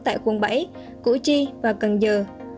tại quận bảy củ chi và cần giờ